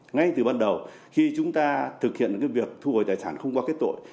ngay từ ban đầu khi chúng ta thực hiện việc thu hồi tài sản không qua kết tội